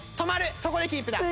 そこでキープだ。